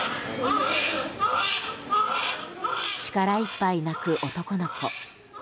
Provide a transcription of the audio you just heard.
力いっぱい泣く男の子。